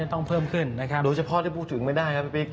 ต้องเพิ่มขึ้นนะครับโดยเฉพาะที่พูดถึงไม่ได้ครับพี่ปิ๊ก